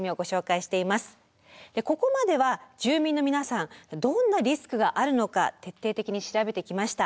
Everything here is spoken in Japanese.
ここまでは住民の皆さんどんなリスクがあるのか徹底的に調べてきました。